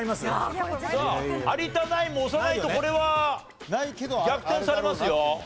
さあ有田ナインも押さないとこれは逆転されますよ。